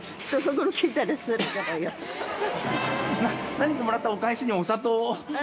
何かもらったお返しにお砂糖を？